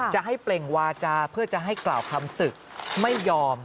จะให้เปล่งวาจาเพื่อจะให้กล่าวคำศึกไม่ยอม